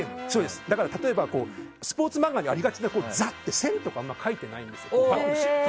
例えばスポーツ漫画にありがちなザッていう線とかを描いてないんです。